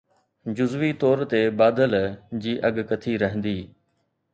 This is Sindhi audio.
جزوي طور تي بادل جي اڳڪٿي رهندي